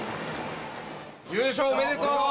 優勝おめでとう！